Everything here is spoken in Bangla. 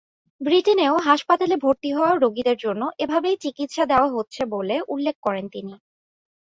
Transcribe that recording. ব্রিটেনেও হাসপাতালে ভর্তি হওয়া রোগীদের জন্য এভাবেই চিকিৎসা দেয়া হচ্ছে বলে উল্লেখ করেন তিনি।